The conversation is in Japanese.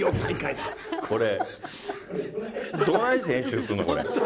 これ、どないして編集すんの、これ。